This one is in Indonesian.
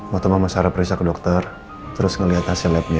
waktu mama sarah pergi ke dokter terus ngelihat hasil lab nya